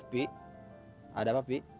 bi ada apa bi